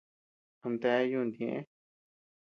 Amtea yuntu ñeʼë.